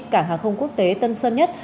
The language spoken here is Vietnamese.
cảng hàng không quốc tế tân sân nhất